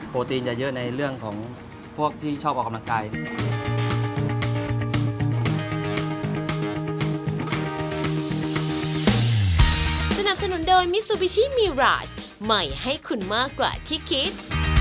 จะเยอะในเรื่องของพวกที่ชอบออกกำลังกาย